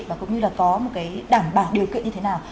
và cũng như là có một cái đảm bảo điều kiện như thế nào